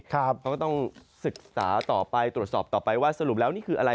เขาก็ต้องศึกษาต่อไปตรวจสอบต่อไปว่าสรุปแล้วนี่คืออะไร